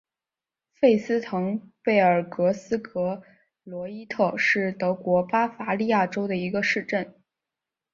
费斯滕贝尔格斯格罗伊特是德国巴伐利亚州的一个市镇。